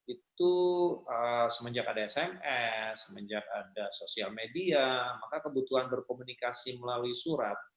itu semenjak ada sms semenjak ada sosial media maka kebutuhan berkomunikasi melalui surat